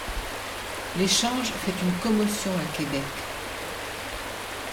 L’échange fait une commotion à Québec.